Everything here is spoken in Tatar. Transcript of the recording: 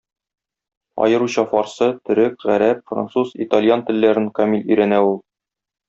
Аеруча фарсы, төрек, гарәп, француз, итальян телләрен камил өйрәнә ул.